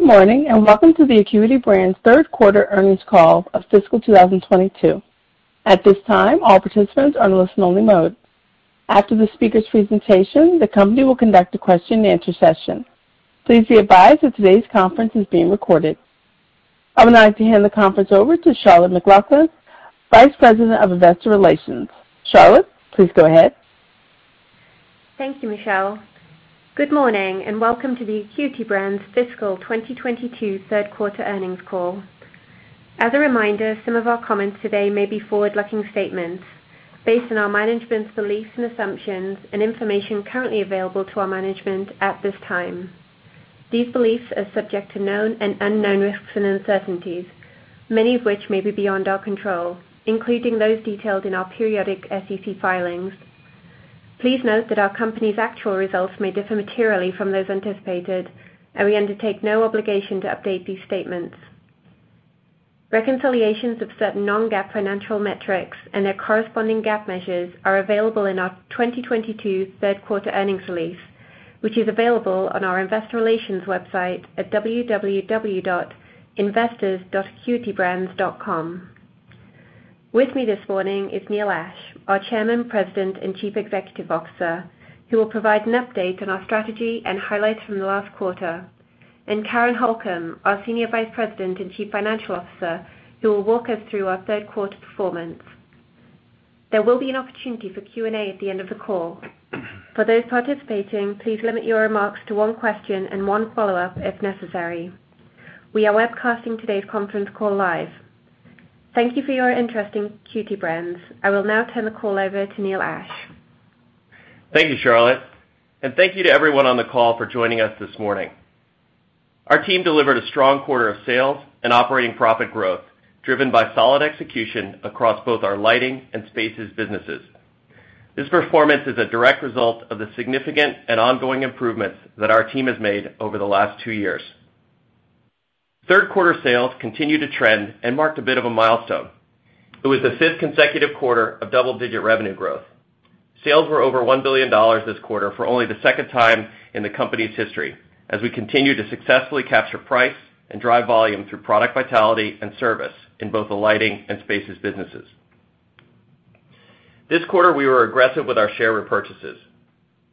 Good morning, and welcome to the Acuity Brands Third Quarter Earnings Call of Fiscal 2022. At this time, all participants are in listen only mode. After the speaker's presentation, the company will conduct a question and answer session. Please be advised that today's conference is being recorded. I would now like to hand the conference over to Charlotte McLaughlin, Vice President of Investor Relations. Charlotte, please go ahead. Thank you, Michelle. Good morning, and welcome to the Acuity Brands fiscal 2022 third quarter earnings call. As a reminder, some of our comments today may be forward-looking statements based on our management's beliefs and assumptions and information currently available to our management at this time. These beliefs are subject to known and unknown risks and uncertainties, many of which may be beyond our control, including those detailed in our periodic SEC filings. Please note that our company's actual results may differ materially from those anticipated, and we undertake no obligation to update these statements. Reconciliations of certain non-GAAP financial metrics and their corresponding GAAP measures are available in our 2022 third quarter earnings release, which is available on our investor relations website at www.investors.acuitybrands.com. With me this morning is Neil Ashe, our Chairman, President, and Chief Executive Officer, who will provide an update on our strategy and highlights from the last quarter, and Karen Holcom, our Senior Vice President and Chief Financial Officer, who will walk us through our third quarter performance. There will be an opportunity for Q&A at the end of the call. For those participating, please limit your remarks to one question and one follow-up if necessary. We are webcasting today's conference call live. Thank you for your interest in Acuity Brands. I will now turn the call over to Neil Ashe. Thank you, Charlotte. Thank you to everyone on the call for joining us this morning. Our team delivered a strong quarter of sales and operating profit growth, driven by solid execution across both our lighting and spaces businesses. This performance is a direct result of the significant and ongoing improvements that our team has made over the last two years. Third quarter sales continued to trend and marked a bit of a milestone. It was the fifth consecutive quarter of double-digit revenue growth. Sales were over $1 billion this quarter for only the second time in the company's history, as we continue to successfully capture price and drive volume through product vitality and service in both the lighting and spaces businesses. This quarter, we were aggressive with our share repurchases.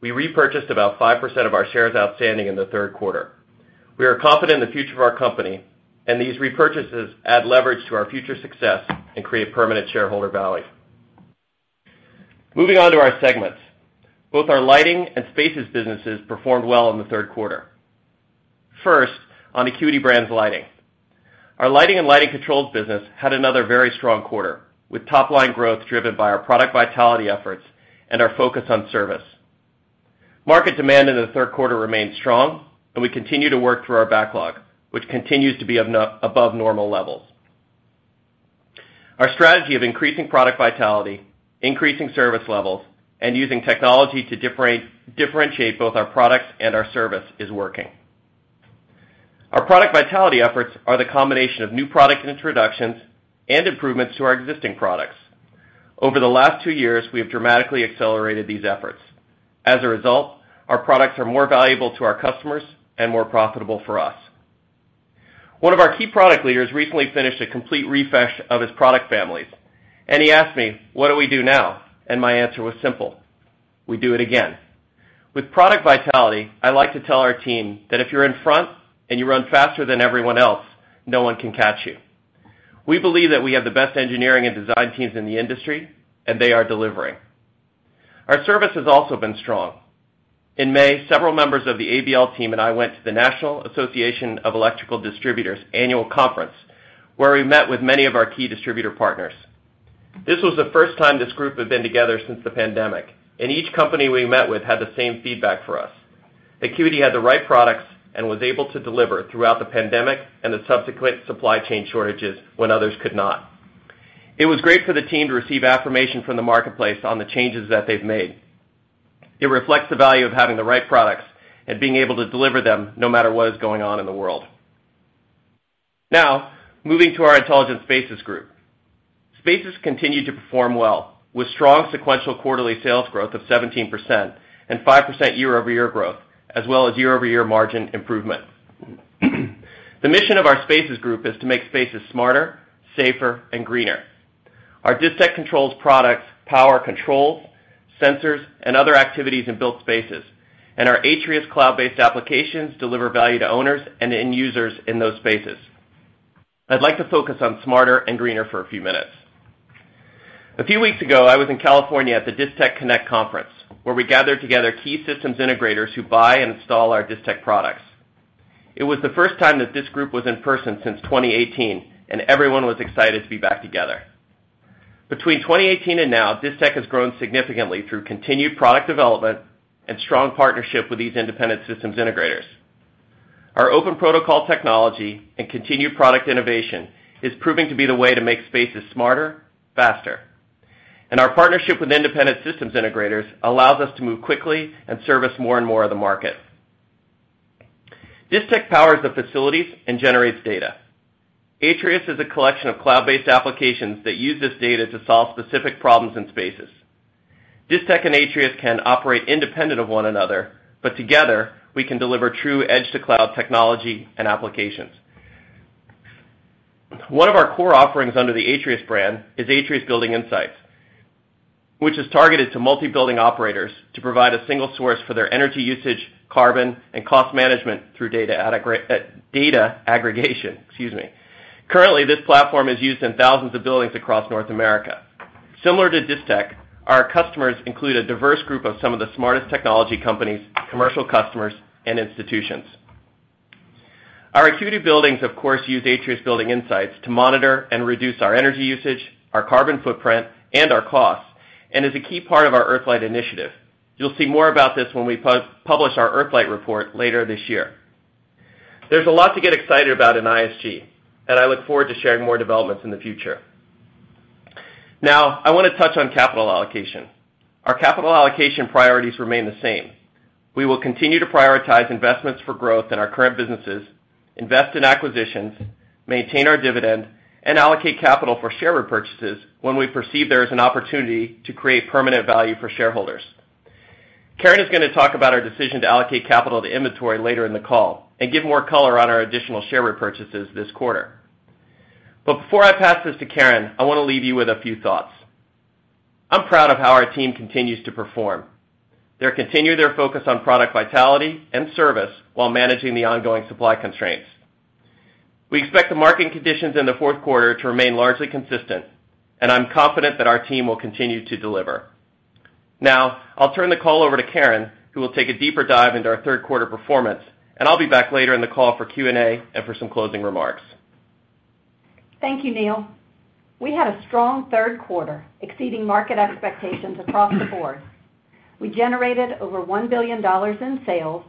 We repurchased about 5% of our shares outstanding in the third quarter. We are confident in the future of our company, and these repurchases add leverage to our future success and create permanent shareholder value. Moving on to our segments. Both our lighting and spaces businesses performed well in the third quarter. First, on Acuity Brands Lighting. Our Lighting and Lighting controls business had another very strong quarter, with top-line growth driven by our product vitality efforts and our focus on service. Market demand in the third quarter remained strong, and we continue to work through our backlog, which continues to be above normal levels. Our strategy of increasing product vitality, increasing service levels, and using technology to differentiate both our products and our service is working. Our product vitality efforts are the combination of new product introductions and improvements to our existing products. Over the last two years, we have dramatically accelerated these efforts. As a result, our products are more valuable to our customers and more profitable for us. One of our key product leaders recently finished a complete refresh of his product families, and he asked me, "What do we do now?" My answer was simple. We do it again. With product vitality, I like to tell our team that if you're in front and you run faster than everyone else, no one can catch you. We believe that we have the best engineering and design teams in the industry, and they are delivering. Our service has also been strong. In May, several members of the ABL team and I went to the National Association of Electrical Distributors annual conference, where we met with many of our key distributor partners. This was the first time this group had been together since the pandemic, and each company we met with had the same feedback for us. Acuity had the right products and was able to deliver throughout the pandemic and the subsequent supply chain shortages when others could not. It was great for the team to receive affirmation from the marketplace on the changes that they've made. It reflects the value of having the right products and being able to deliver them no matter what is going on in the world. Now, moving to our Intelligent Spaces Group. Spaces continued to perform well, with strong sequential quarterly sales growth of 17% and 5% year-over-year growth, as well as year-over-year margin improvement. The mission of our Spaces group is to make spaces smarter, safer, and greener. Our Distech Controls products power controls, sensors, and other activities in built spaces, and our Atrius cloud-based applications deliver value to owners and end users in those spaces. I'd like to focus on smarter and greener for a few minutes. A few weeks ago, I was in California at the Distech Connect conference, where we gathered together key systems integrators who buy and install our Distech products. It was the first time that this group was in person since 2018, and everyone was excited to be back together. Between 2018 and now, Distech has grown significantly through continued product development and strong partnership with these independent systems integrators. Our open protocol technology and continued product innovation is proving to be the way to make spaces smarter, faster. Our partnership with independent systems integrators allows us to move quickly and service more and more of the market. Distech powers the facilities and generates data. Atrius is a collection of cloud-based applications that use this data to solve specific problems in spaces. Distech and Atrius can operate independent of one another, but together, we can deliver true edge to cloud technology and applications. One of our core offerings under the Atrius brand is Atrius Building Insights, which is targeted to multi-building operators to provide a single source for their energy usage, carbon, and cost management through data aggregation, excuse me. Currently, this platform is used in thousands of buildings across North America. Similar to Distech, our customers include a diverse group of some of the smartest technology companies, commercial customers, and institutions. Our Acuity buildings, of course, use Atrius Building Insights to monitor and reduce our energy usage, our carbon footprint, and our costs, and is a key part of our EarthLIGHT initiative. You'll see more about this when we publish our EarthLIGHT report later this year. There's a lot to get excited about in ISG, and I look forward to sharing more developments in the future. Now, I wanna touch on capital allocation. Our capital allocation priorities remain the same. We will continue to prioritize investments for growth in our current businesses, invest in acquisitions, maintain our dividend, and allocate capital for share repurchases when we perceive there is an opportunity to create permanent value for shareholders. Karen is gonna talk about our decision to allocate capital to inventory later in the call and give more color on our additional share repurchases this quarter. Before I pass this to Karen, I wanna leave you with a few thoughts. I'm proud of how our team continues to perform. They continue their focus on product vitality and service while managing the ongoing supply constraints. We expect the market conditions in the fourth quarter to remain largely consistent, and I'm confident that our team will continue to deliver. Now, I'll turn the call over to Karen, who will take a deeper dive into our third quarter performance, and I'll be back later in the call for Q&A and for some closing remarks. Thank you, Neil. We had a strong third quarter, exceeding market expectations across the board. We generated over $1 billion in sales,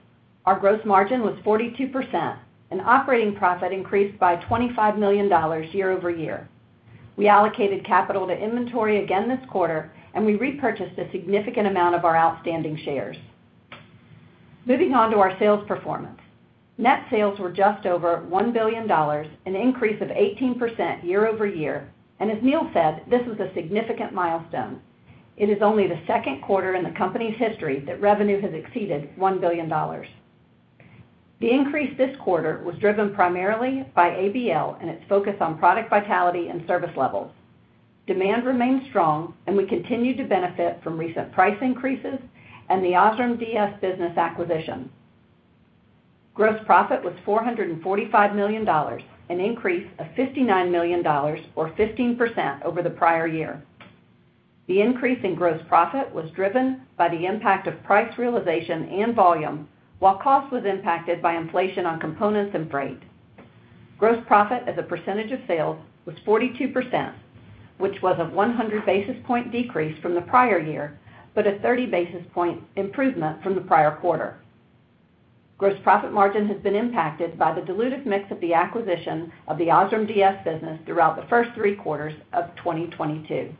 our gross margin was 42%, and operating profit increased by $25 million year-over-year. We allocated capital to inventory again this quarter, and we repurchased a significant amount of our outstanding shares. Moving on to our sales performance. Net sales were just over $1 billion, an increase of 18% year-over-year. As Neil said, this was a significant milestone. It is only the second quarter in the company's history that revenue has exceeded $1 billion. The increase this quarter was driven primarily by ABL and its focus on product vitality and service levels. Demand remained strong, and we continued to benefit from recent price increases and the OSRAM Digital Systems business acquisition. Gross profit was $445 million, an increase of $59 million or 15% over the prior year. The increase in gross profit was driven by the impact of price realization and volume, while cost was impacted by inflation on components and freight. Gross profit as a percentage of sales was 42%, which was a 100 basis point decrease from the prior year, but a 30 basis point improvement from the prior quarter. Gross profit margin has been impacted by the dilutive mix of the acquisition of the OSRAM Digital Systems business throughout the first three quarters of 2022.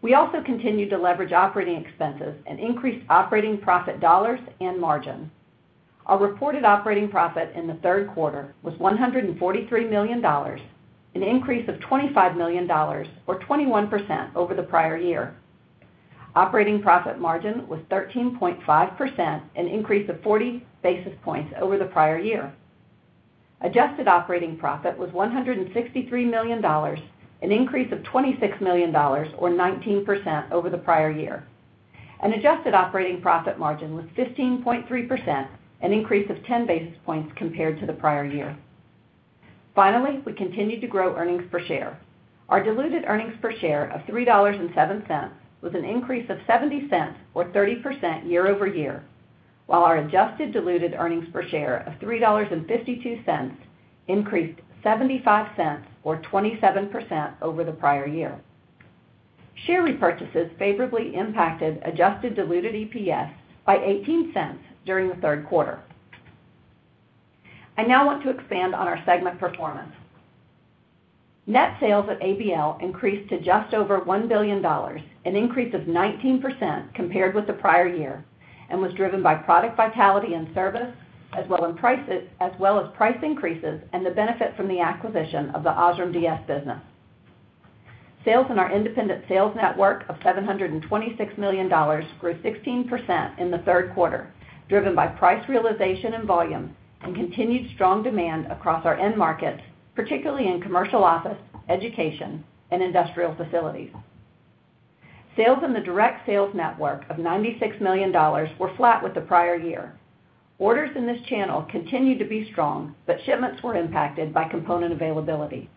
We also continued to leverage operating expenses and increased operating profit dollars and margin. Our reported operating profit in the third quarter was $143 million, an increase of $25 million or 21% over the prior year. Operating profit margin was 13.5%, an increase of 40 basis points over the prior year. Adjusted operating profit was $163 million, an increase of $26 million or 19% over the prior year. Adjusted operating profit margin was 15.3%, an increase of 10 basis points compared to the prior year. Finally, we continued to grow earnings per share. Our diluted earnings per share of $3.07 was an increase of $0.70 or 30% year-over-year, while our adjusted diluted earnings per share of $3.52 increased $0.75 or 27% over the prior year. Share repurchases favorably impacted adjusted diluted EPS by $0.18 during the third quarter. I now want to expand on our segment performance. Net sales at ABL increased to just over $1 billion, an increase of 19% compared with the prior year, and was driven by product vitality and services as well as prices, as well as price increases and the benefit from the acquisition of the OSRAM Digital Systems business. Sales in our independent sales network of $726 million grew 16% in the third quarter, driven by price realization and volume and continued strong demand across our end markets, particularly in commercial office, education, and industrial facilities. Sales in the direct sales network of $96 million were flat with the prior year. Orders in this channel continued to be strong, but shipments were impacted by component availability.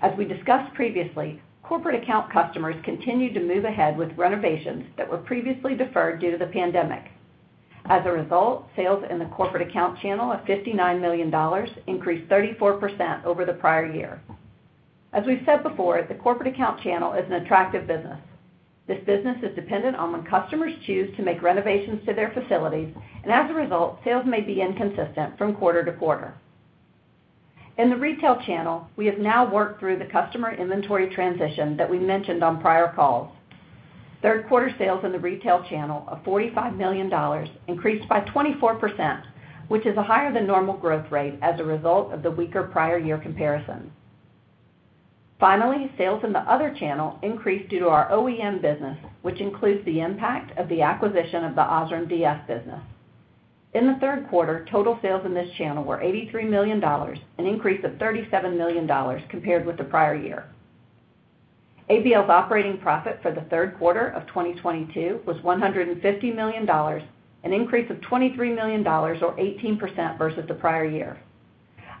As we discussed previously, corporate account customers continued to move ahead with renovations that were previously deferred due to the pandemic. As a result, sales in the corporate account channel of $59 million increased 34% over the prior year. As we've said before, the corporate account channel is an attractive business. This business is dependent on when customers choose to make renovations to their facilities, and as a result, sales may be inconsistent from quarter to quarter. In the retail channel, we have now worked through the customer inventory transition that we mentioned on prior calls. Third quarter sales in the retail channel of $45 million increased by 24% which is a higher than normal growth rate as a result of the weaker prior year comparisons. Finally, sales in the other channel increased due to our OEM business, which includes the impact of the acquisition of the OSRAM DS business. In the third quarter, total sales in this channel were $83 million, an increase of $37 million compared with the prior year. ABL's operating profit for the third quarter of 2022 was $150 million, an increase of $23 million or 18% versus the prior year.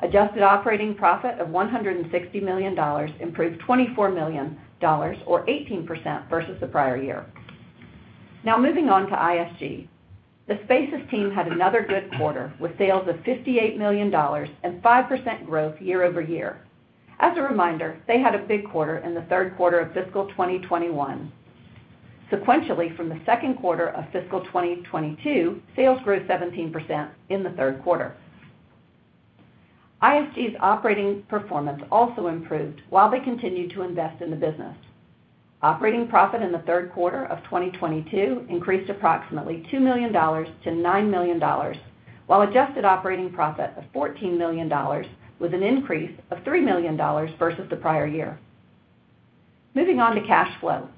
Adjusted operating profit of $160 million improved $24 million or 18% versus the prior year. Now moving on to ISG. The Spaces team had another good quarter with sales of $58 million and 5% growth year-over-year. As a reminder, they had a big quarter in the third quarter of fiscal 2021. Sequentially from the second quarter of fiscal 2022, sales grew 17% in the third quarter. ISG's operating performance also improved while they continued to invest in the business. Operating profit in the third quarter of 2022 increased approximately $2 million-$9 million, while adjusted operating profit of $14 million was an increase of $3 million versus the prior year. Moving on to cash flow.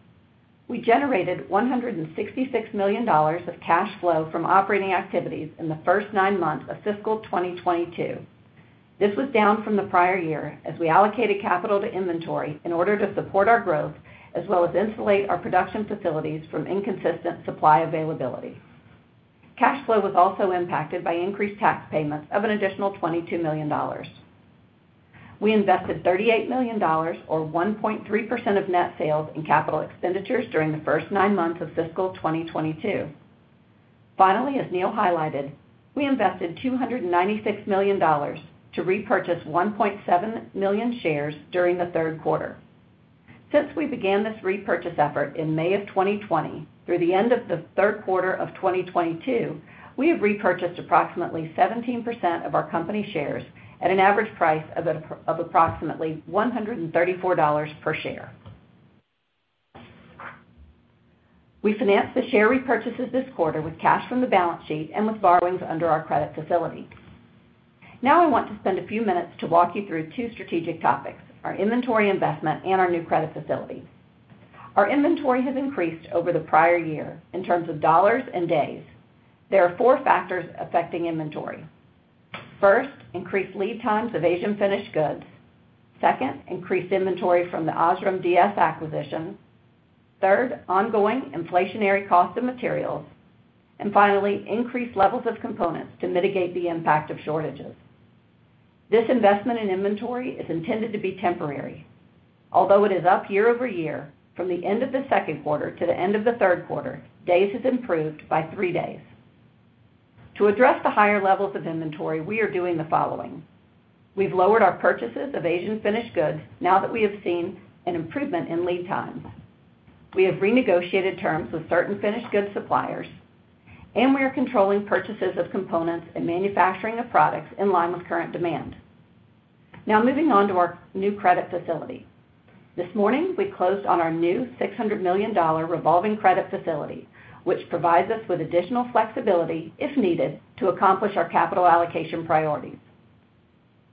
We generated $166 million of cash flow from operating activities in the first nine months of fiscal 2022. This was down from the prior year as we allocated capital to inventory in order to support our growth as well as insulate our production facilities from inconsistent supply availability. Cash flow was also impacted by increased tax payments of an additional $22 million. We invested $38 million or 1.3% of net sales in capital expenditures during the first nine months of fiscal 2022. Finally, as Neil highlighted, we invested $296 million to repurchase 1.7 million shares during the third quarter. Since we began this repurchase effort in May 2020 through the end of the third quarter of 2022, we have repurchased approximately 17% of our company shares at an average price of approximately $134 per share. We financed the share repurchases this quarter with cash from the balance sheet and with borrowings under our credit facility. Now I want to spend a few minutes to walk you through two strategic topics, our inventory investment and our new credit facility. Our inventory has increased over the prior year in terms of dollars and days. There are four factors affecting inventory. First, increased lead times of Asian finished goods. Second, increased inventory from the OSRAM DS acquisition. Third, ongoing inflationary cost of materials. Finally, increased levels of components to mitigate the impact of shortages. This investment in inventory is intended to be temporary. Although it is up year-over-year from the end of the second quarter to the end of the third quarter, days has improved by 3 days. To address the higher levels of inventory, we are doing the following. We've lowered our purchases of Asian finished goods now that we have seen an improvement in lead times. We have renegotiated terms with certain finished goods suppliers, and we are controlling purchases of components and manufacturing of products in line with current demand. Now moving on to our new credit facility. This morning, we closed on our new $600 million revolving credit facility, which provides us with additional flexibility, if needed, to accomplish our capital allocation priorities.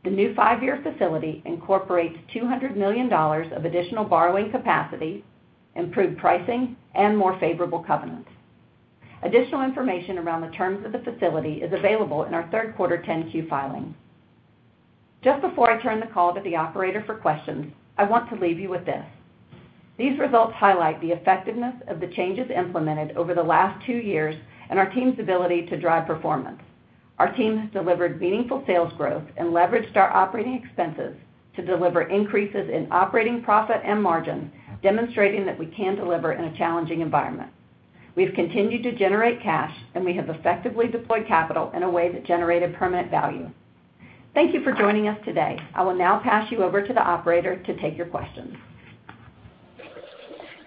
The new five-year facility incorporates $200 million of additional borrowing capacity, improved pricing, and more favorable covenants. Additional information around the terms of the facility is available in our third quarter 10-Q filing. Just before I turn the call to the operator for questions, I want to leave you with this. These results highlight the effectiveness of the changes implemented over the last two years and our team's ability to drive performance. Our team has delivered meaningful sales growth and leveraged our operating expenses to deliver increases in operating profit and margin, demonstrating that we can deliver in a challenging environment. We've continued to generate cash, and we have effectively deployed capital in a way that generated permanent value. Thank you for joining us today. I will now pass you over to the operator to take your questions.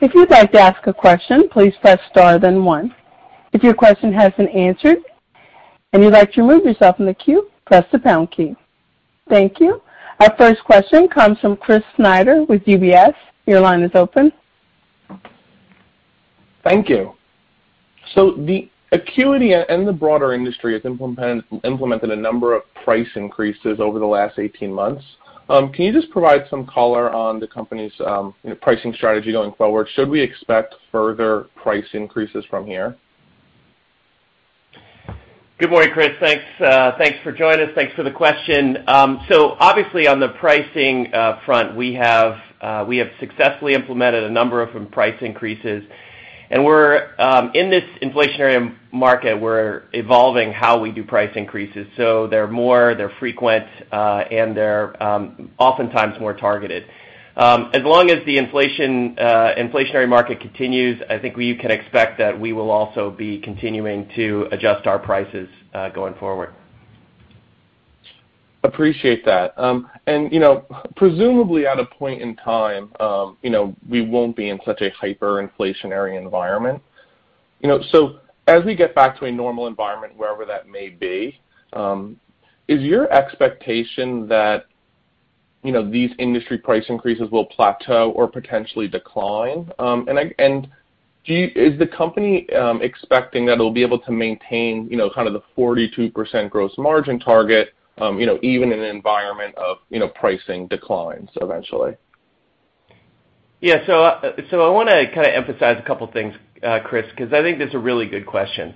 If you'd like to ask a question, please press star then one. If your question has been answered and you'd like to remove yourself from the queue, press the pound key. Thank you. Our first question comes from Chris Snyder with UBS. Your line is open. Thank you. The Acuity and the broader industry has implemented a number of price increases over the last 18 months. Can you just provide some color on the company's, you know, pricing strategy going forward? Should we expect further price increases from here? Good morning, Chris. Thanks for joining us. Thanks for the question. Obviously, on the pricing front, we have successfully implemented a number of price increases. We're in this inflationary market, we're evolving how we do price increases. They're more frequent and they're oftentimes more targeted. As long as the inflationary market continues, I think we can expect that we will also be continuing to adjust our prices going forward. Appreciate that. You know, presumably at a point in time, you know, we won't be in such a hyperinflationary environment. You know, as we get back to a normal environment, wherever that may be, is your expectation that you know, these industry price increases will plateau or potentially decline? Is the company expecting that it'll be able to maintain, you know, kind of the 42% gross margin target, you know, even in an environment of, you know, pricing declines eventually? Yeah. I wanna kind of emphasize a couple things, Chris, 'cause I think that's a really good question.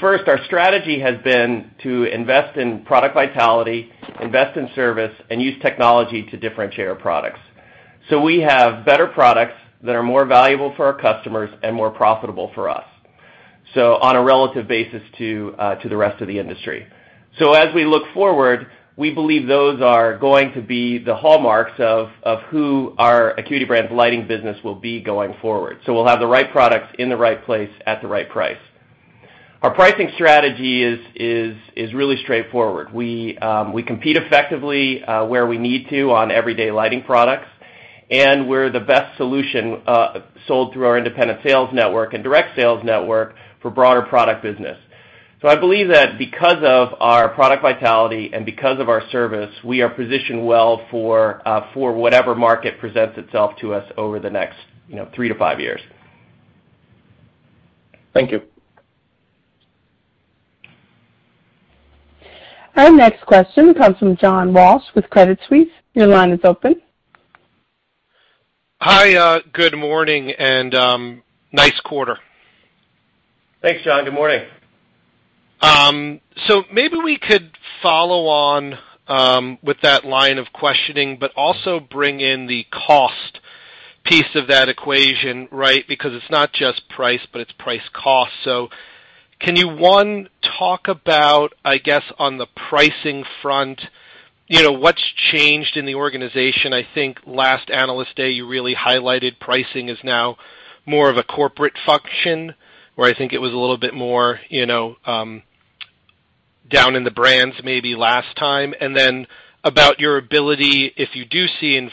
First, our strategy has been to invest in product vitality, invest in service, and use technology to differentiate our products. We have better products that are more valuable for our customers and more profitable for us, so on a relative basis to the rest of the industry. As we look forward, we believe those are going to be the hallmarks of who our Acuity Brands Lighting business will be going forward. We'll have the right products in the right place at the right price. Our pricing strategy is really straightforward. We compete effectively where we need to on everyday lighting products, and we're the best solution sold through our independent sales network and direct sales network for broader product business. I believe that because of our product vitality and because of our service, we are positioned well for whatever market presents itself to us over the next, you know, 3-5 years. Thank you. Our next question comes from John Walsh with Credit Suisse. Your line is open. Hi, good morning, and nice quarter. Thanks, John. Good morning. Maybe we could follow on with that line of questioning, but also bring in the cost piece of that equation, right? Because it's not just price, but it's price cost. Can you, one, talk about, I guess, on the pricing front, you know, what's changed in the organization? I think last Analyst Day, you really highlighted pricing is now more of a corporate function, where I think it was a little bit more, you know, down in the brands maybe last time. Then about your ability, if you do see in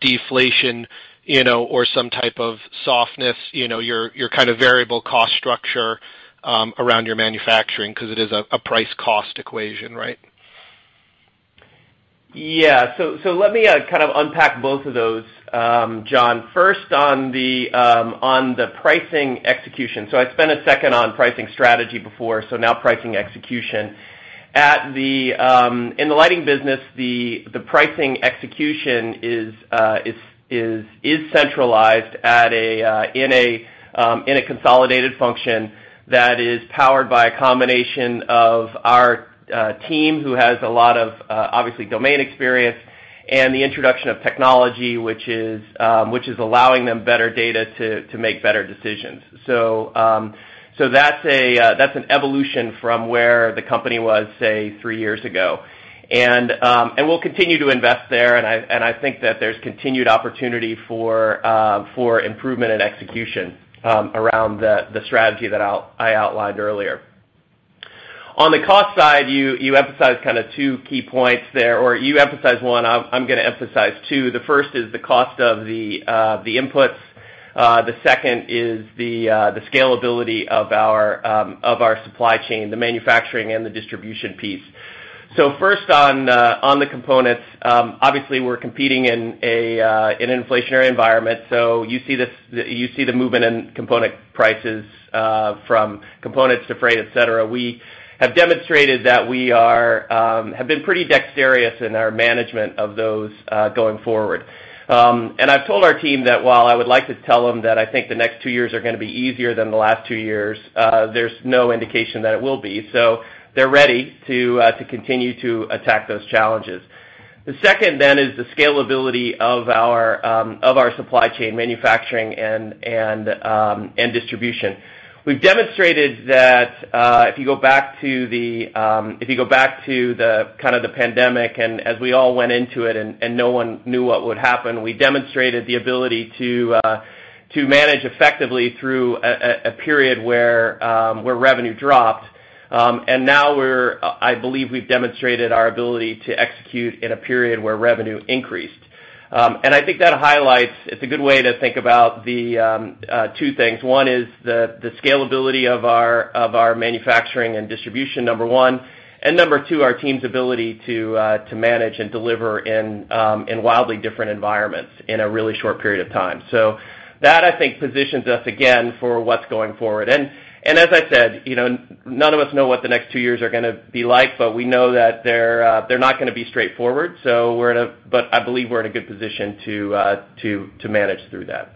deflation, you know, or some type of softness, you know, your kind of variable cost structure around your manufacturing because it is a price cost equation, right? Let me kind of unpack both of those, John. First on the pricing execution. I spent a second on pricing strategy before, now pricing execution. In the lighting business, the pricing execution is centralized in a consolidated function that is powered by a combination of our team, who has a lot of obviously domain experience, and the introduction of technology, which is allowing them better data to make better decisions. That's an evolution from where the company was, say, three years ago. We'll continue to invest there, and I think that there's continued opportunity for improvement and execution around the strategy that I outlined earlier. On the cost side, you emphasized kind of two key points there, or you emphasized one. I'm gonna emphasize two. The first is the cost of the inputs. The second is the scalability of our supply chain, the manufacturing and the distribution piece. First on the components, obviously, we're competing in an inflationary environment, so you see this, you see the movement in component prices from components to freight, et cetera. We have demonstrated that we have been pretty dexterous in our management of those going forward. I've told our team that while I would like to tell them that I think the next two years are gonna be easier than the last two years, there's no indication that it will be. They're ready to continue to attack those challenges. The second then is the scalability of our supply chain manufacturing and distribution. We've demonstrated that if you go back to the pandemic and as we all went into it and no one knew what would happen, we demonstrated the ability to manage effectively through a period where revenue dropped. Now, I believe we've demonstrated our ability to execute in a period where revenue increased. I think that highlights it. It's a good way to think about the two things. One is the scalability of our manufacturing and distribution, number one. Number two, our team's ability to manage and deliver in wildly different environments in a really short period of time. That I think positions us again for what's going forward. As I said, you know, none of us know what the next two years are gonna be like, but we know that they're not gonna be straightforward. I believe we're in a good position to manage through that.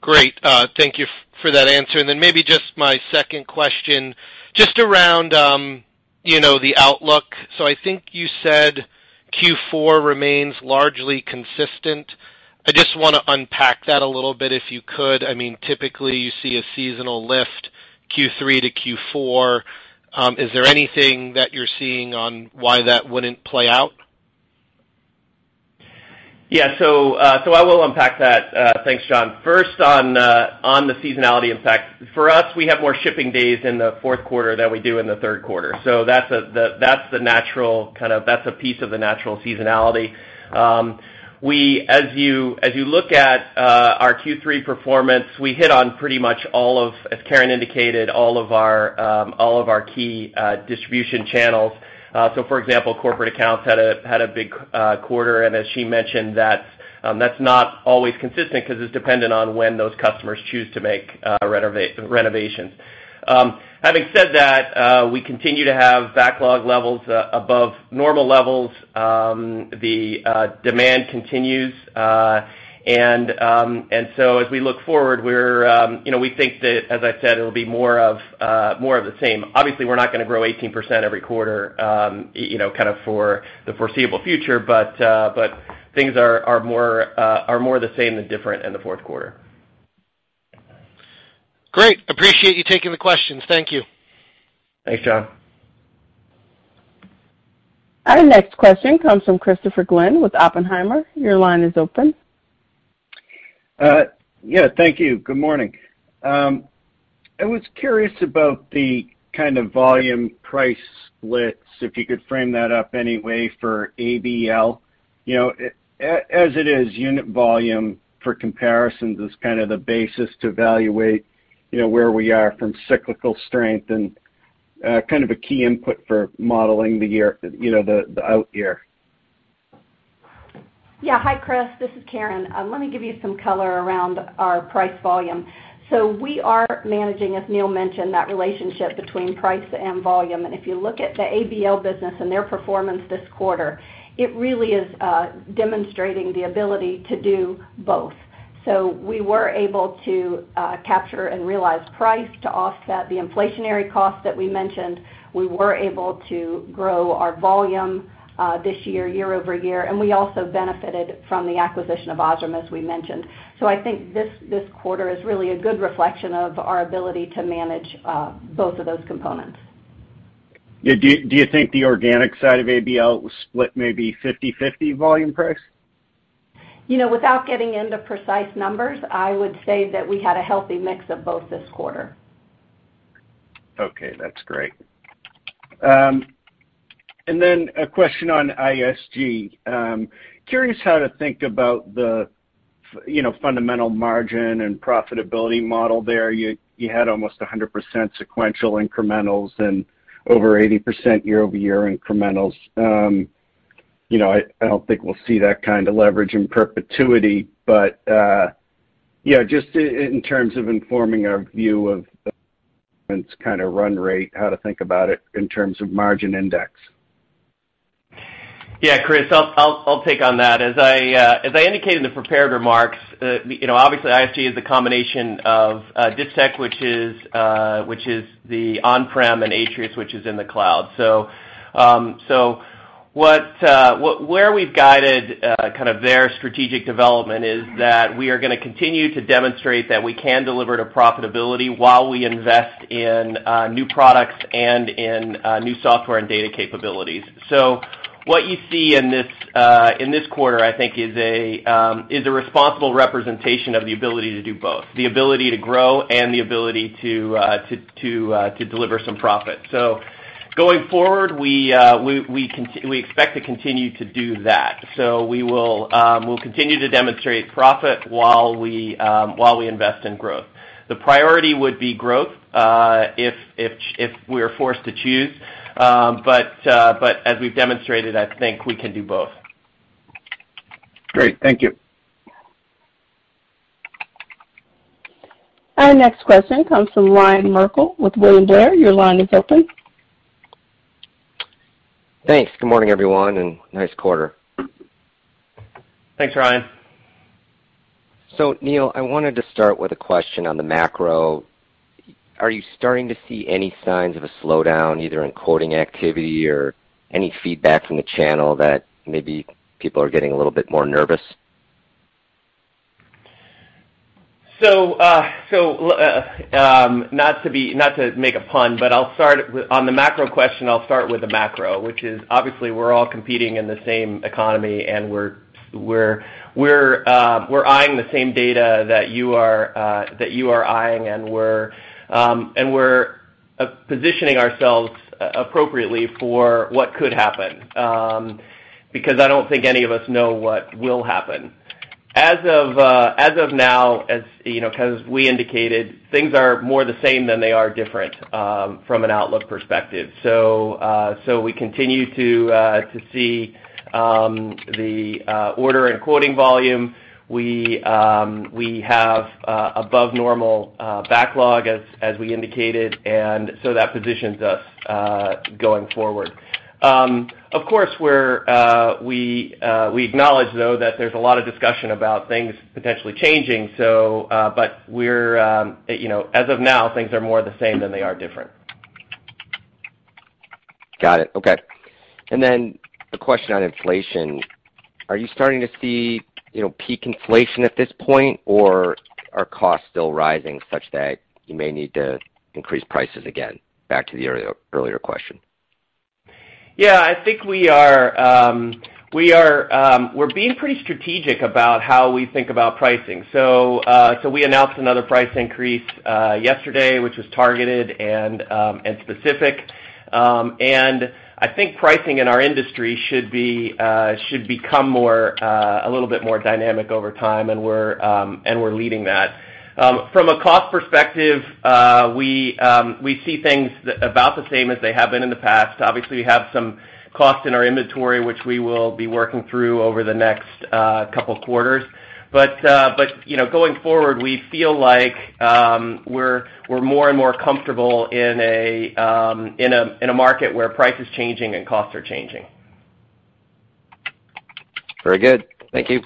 Great. Thank you for that answer. Maybe just my second question, just around the outlook. I think you said Q4 remains largely consistent. I just wanna unpack that a little bit, if you could. I mean, typically, you see a seasonal lift, Q3 to Q4. Is there anything that you're seeing on why that wouldn't play out? Yeah. I will unpack that. Thanks, John. First on the seasonality impact. For us, we have more shipping days in the fourth quarter than we do in the third quarter. That's the natural seasonality. That's a piece of the natural seasonality. As you look at our Q3 performance, we hit on pretty much all of, as Karen indicated, all of our key distribution channels. For example, corporate accounts had a big quarter. As she mentioned, that's not always consistent 'cause it's dependent on when those customers choose to make renovations. Having said that, we continue to have backlog levels above normal levels. The demand continues. As we look forward, we're, you know, we think that, as I said, it'll be more of the same. Obviously, we're not gonna grow 18% every quarter, you know, kind of for the foreseeable future. Things are more the same than different in the fourth quarter. Great. Appreciate you taking the questions. Thank you. Thanks, John. Our next question comes from Christopher Glynn with Oppenheimer. Your line is open. Yeah, thank you. Good morning. I was curious about the kind of volume price splits, if you could frame that up any way for ABL. You know, as it is, unit volume for comparisons is kind of the basis to evaluate, you know, where we are from cyclical strength and kind of a key input for modeling the year, you know, the out year. Yeah. Hi, Chris. This is Karen. Let me give you some color around our price volume. We are managing, as Neil mentioned, that relationship between price and volume. If you look at the ABL business and their performance this quarter, it really is demonstrating the ability to do both. We were able to capture and realize price to offset the inflationary costs that we mentioned. We were able to grow our volume this year-over-year, and we also benefited from the acquisition of OSRAM, as we mentioned. I think this quarter is really a good reflection of our ability to manage both of those components. Yeah. Do you think the organic side of ABL was split maybe 50/50 volume price? You know, without getting into precise numbers, I would say that we had a healthy mix of both this quarter. Okay, that's great. Then a question on ISG. Curious how to think about the, you know, fundamental margin and profitability model there. You had almost 100% sequential incrementals and over 80% year-over-year incrementals. You know, I don't think we'll see that kind of leverage in perpetuity, but you know, just in terms of informing our view of kind of run rate, how to think about it in terms of margin index. Yeah. Chris, I'll take on that. As I indicated in the prepared remarks, you know, obviously ISG is a combination of Distech, which is the on-prem, and Atrius, which is in the cloud. Where we've guided kind of their strategic development is that we are gonna continue to demonstrate that we can deliver to profitability while we invest in new products and in new software and data capabilities. What you see in this quarter, I think, is a responsible representation of the ability to do both, the ability to grow and the ability to deliver some profit. Going forward, we expect to continue to do that. We'll continue to demonstrate profit while we invest in growth. The priority would be growth, if we are forced to choose. As we've demonstrated, I think we can do both. Great. Thank you. Our next question comes from Ryan Merkel with William Blair. Your line is open. Thanks. Good morning, everyone, and nice quarter. Thanks, Ryan. Neil, I wanted to start with a question on the macro. Are you starting to see any signs of a slowdown, either in quoting activity or any feedback from the channel that maybe people are getting a little bit more nervous? Not to make a pun, but I'll start with. On the macro question, I'll start with the macro, which is obviously we're all competing in the same economy, and we're eyeing the same data that you are eyeing. We're positioning ourselves appropriately for what could happen, because I don't think any of us know what will happen. As of now, as you know, kind of as we indicated, things are more the same than they are different from an outlook perspective. We continue to see the order and quoting volume. We have above normal backlog as we indicated, and that positions us going forward. Of course, we acknowledge though that there's a lot of discussion about things potentially changing. We're, you know, as of now, things are more the same than they are different. Got it. Okay. A question on inflation. Are you starting to see, you know, peak inflation at this point, or are costs still rising such that you may need to increase prices again? Back to the earlier question. Yeah. I think we're being pretty strategic about how we think about pricing. We announced another price increase yesterday, which was targeted and specific. I think pricing in our industry should become a little bit more dynamic over time, and we're leading that. From a cost perspective, we see things about the same as they have been in the past. Obviously, we have some costs in our inventory, which we will be working through over the next couple quarters. You know, going forward, we feel like we're more and more comfortable in a market where price is changing and costs are changing. Very good. Thank you.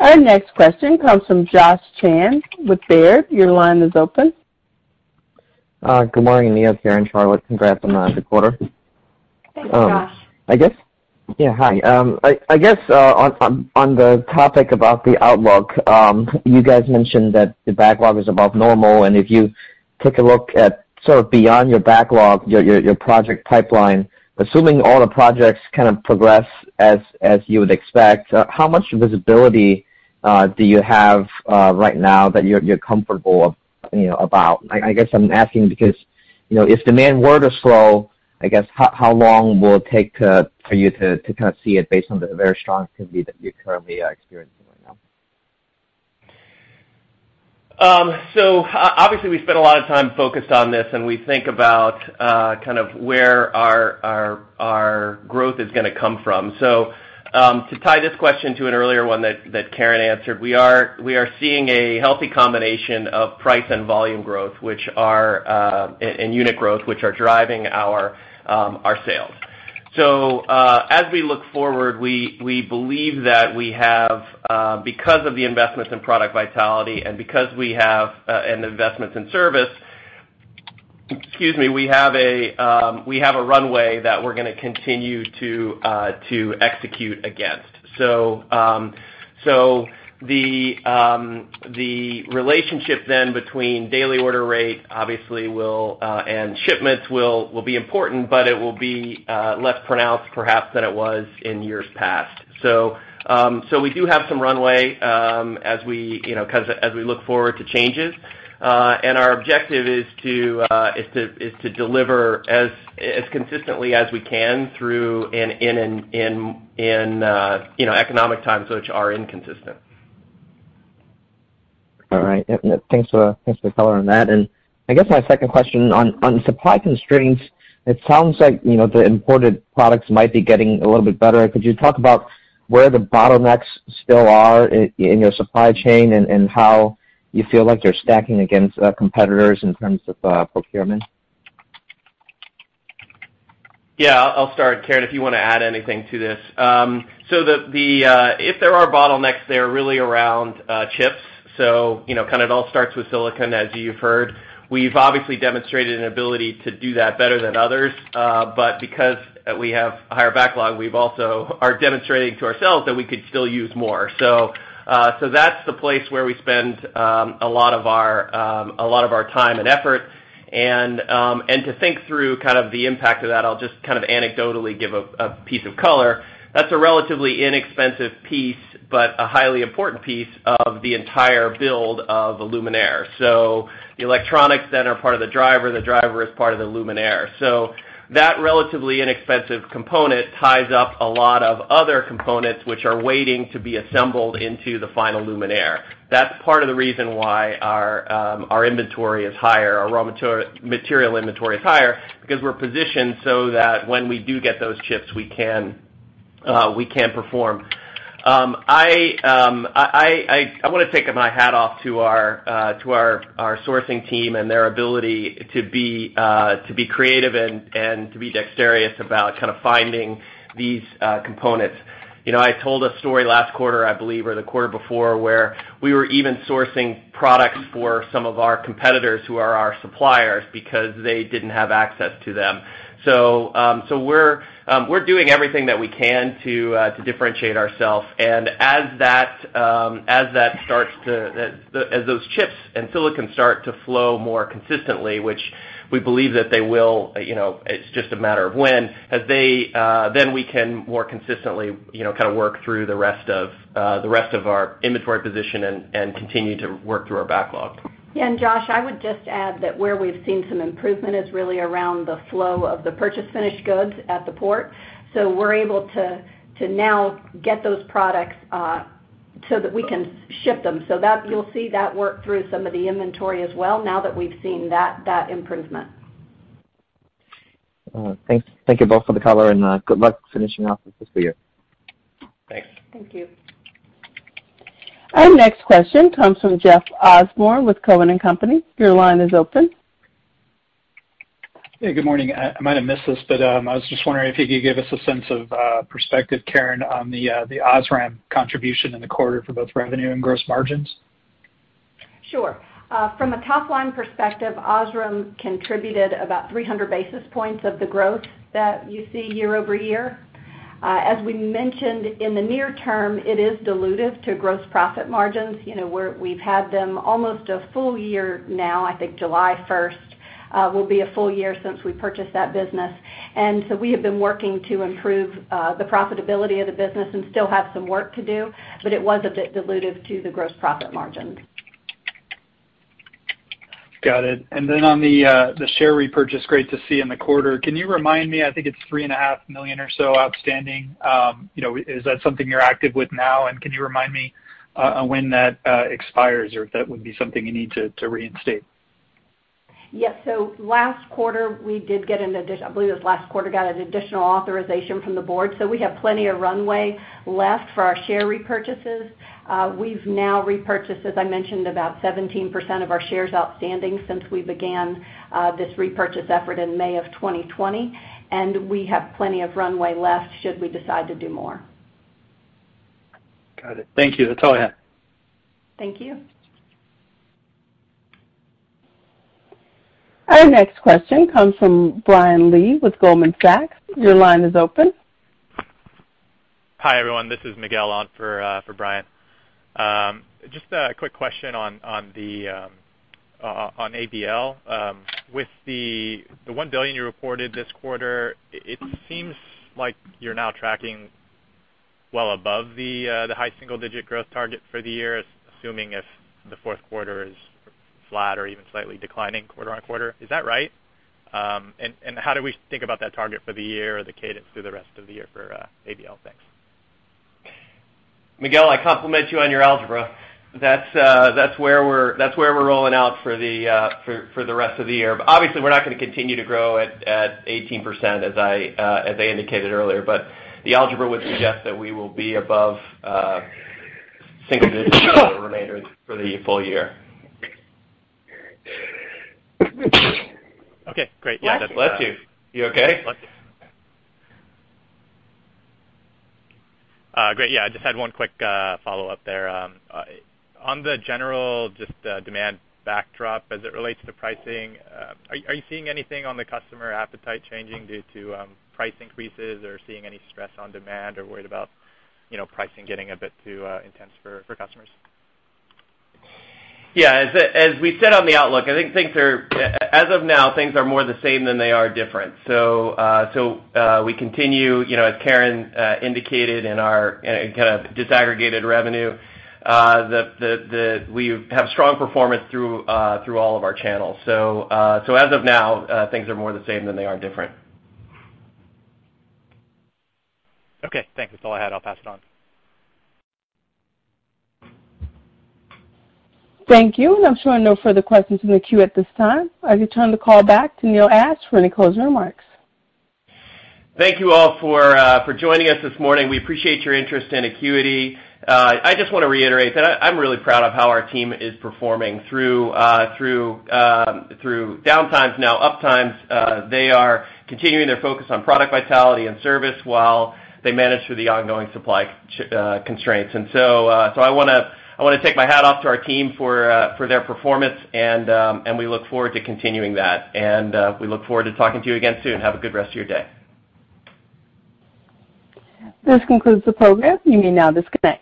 Thanks. Our next question comes from Josh Chan with Baird. Your line is open. Good morning, Neil, Karen, Charlotte. Congrats on the good quarter. Thanks, Josh. Yeah, hi. I guess on the topic about the outlook, you guys mentioned that the backlog is above normal, and if you took a look at sort of beyond your backlog, your project pipeline, assuming all the projects kind of progress as you would expect, how much visibility do you have right now that you're comfortable, you know, about? I guess I'm asking because, you know, if demand were to slow, I guess how long will it take for you to kind of see it based on the very strong activity that you currently are experiencing right now? Obviously, we spend a lot of time focused on this, and we think about kind of where our growth is gonna come from. To tie this question to an earlier one that Karen answered, we are seeing a healthy combination of price and volume growth and unit growth, which are driving our sales. As we look forward, we believe that we have a runway because of the investments in product vitality and investments in service, excuse me, that we're gonna continue to execute against. The relationship then between daily order rate obviously and shipments will be important, but it will be less pronounced perhaps than it was in years past. We do have some runway as we, you know, kind of as we look forward to changes. Our objective is to deliver as consistently as we can through and in any economic times which are inconsistent. All right. Yep. Thanks for the color on that. I guess my second question, on supply constraints, it sounds like, you know, the imported products might be getting a little bit better. Could you talk about where the bottlenecks still are in your supply chain and how you feel like you're stacking against competitors in terms of procurement? Yeah, I'll start. Karen, if you wanna add anything to this. If there are bottlenecks, they are really around chips. You know, kind of it all starts with silicon, as you've heard. We've obviously demonstrated an ability to do that better than others, but because we have higher backlog, we've also are demonstrating to ourselves that we could still use more. That's the place where we spend a lot of our time and effort. To think through kind of the impact of that, I'll just kind of anecdotally give a piece of color. That's a relatively inexpensive piece, but a highly important piece of the entire build of a luminaire. The electronics then are part of the driver, the driver is part of the luminaire. That relatively inexpensive component ties up a lot of other components which are waiting to be assembled into the final luminaire. That's part of the reason why our inventory is higher, our raw material inventory is higher because we're positioned so that when we do get those chips, we can perform. I wanna take my hat off to our sourcing team and their ability to be creative and to be dexterous about kind of finding these components. You know, I told a story last quarter, I believe, or the quarter before, where we were even sourcing products for some of our competitors who are our suppliers because they didn't have access to them. We're doing everything that we can to differentiate ourselves. As those chips and silicon start to flow more consistently, which we believe that they will, you know, it's just a matter of when, as they, then we can more consistently, you know, kind of work through the rest of our inventory position and continue to work through our backlog. Yeah. Josh, I would just add that where we've seen some improvement is really around the flow of the purchase finished goods at the port. We're able to now get those products, so that we can ship them. That's. You'll see that work through some of the inventory as well now that we've seen that improvement. Thanks. Thank you both for the color and good luck finishing off this fiscal year. Thanks. Thank you. Our next question comes from Jeff Osborne with Cowen and Company. Your line is open. Yeah, good morning. I might have missed this, but I was just wondering if you could give us a sense of perspective, Karen Holcom, on the OSRAM contribution in the quarter for both revenue and gross margins. Sure. From a top-line perspective, OSRAM contributed about 300 basis points of the growth that you see year-over-year. As we mentioned, in the near term, it is dilutive to gross profit margins. You know, we've had them almost a full year now, I think July 1st will be a full year since we purchased that business. We have been working to improve the profitability of the business and still have some work to do, but it was a bit dilutive to the gross profit margin. Got it. Then on the share repurchase, great to see in the quarter. Can you remind me, I think it's 3.5 million or so outstanding, you know, is that something you're active with now? Can you remind me on when that expires or if that would be something you need to reinstate? Yes. Last quarter, we did get an additional authorization from the board. I believe it was last quarter. We have plenty of runway left for our share repurchases. We've now repurchased, as I mentioned, about 17% of our shares outstanding since we began this repurchase effort in May of 2020, and we have plenty of runway left should we decide to do more. Got it. Thank you. That's all I had. Thank you. Our next question comes from Brian Lee with Goldman Sachs. Your line is open. Hi, everyone. This is Miguel on for Brian. Just a quick question on ABL. With the $1 billion you reported this quarter, it seems like you're now tracking well above the high single-digit growth target for the year, assuming if the fourth quarter is flat or even slightly declining quarter-on-quarter. Is that right? And how do we think about that target for the year or the cadence through the rest of the year for ABL? Thanks. Miguel, I compliment you on your algebra. That's where we're rolling out for the rest of the year. Obviously, we're not gonna continue to grow at 18%, as I indicated earlier. The algebra would suggest that we will be above single digit for the remainder of the full year. Okay, great. Bless you. You okay? Bless you. Great. Yeah, I just had one quick follow-up there. On the general just demand backdrop as it relates to pricing, are you seeing anything on the customer appetite changing due to price increases or seeing any stress on demand or worried about, you know, pricing getting a bit too intense for customers? Yeah, as we said on the outlook, I think things are as of now more the same than they are different. We continue, you know, as Karen indicated in our in kind of disaggregated revenue, that we have strong performance through all of our channels. As of now, things are more the same than they are different. Okay. Thanks. That's all I had. I'll pass it on. Thank you. I'm showing no further questions in the queue at this time. I return the call back to Neil Ashe for any closing remarks. Thank you all for joining us this morning. We appreciate your interest in Acuity. I just wanna reiterate that I'm really proud of how our team is performing through down times now uptimes. They are continuing their focus on product vitality and service while they manage through the ongoing supply constraints. I wanna take my hat off to our team for their performance, and we look forward to continuing that. We look forward to talking to you again soon. Have a good rest of your day. This concludes the program. You may now disconnect.